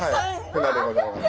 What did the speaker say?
フナでございます。